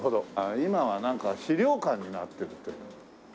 今はなんか史料館になってるって。